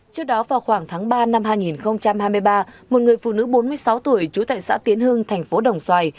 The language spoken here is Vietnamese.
trước đó vào khoảng tháng ba năm hai nghìn hai mươi ba một người phụ nữ bốn mươi sáu tuổi trú tại xã tiến hưng thành phố đồng xoài